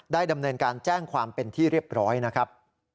ดำเนินการแจ้งความเป็นที่เรียบร้อยนะครับ